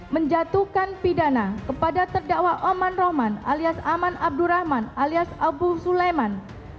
menjatuhkan pidana kepada terdakwa oman rohman alias aman abdurrahman alias abu suleiman